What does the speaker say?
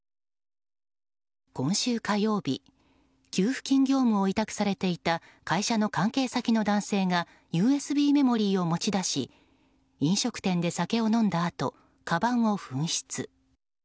今週火曜日給付金業務を委託されていた会社の関係先の男性がＵＳＢメモリーを持ち出し飲食店で酒を飲んだあとかばんを紛失。